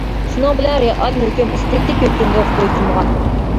شۇنىڭ بىلەن رېئال ھۆكۈم ئېستېتىك ھۆكۈمگە بويسۇنغان.